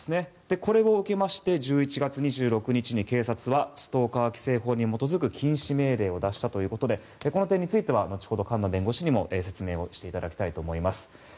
これを受けまして１１月２６日に警察はストーカー規制法に基づく禁止命令を出したということでこの点については後ほど菅野弁護士に解説をしていただきたいと思います。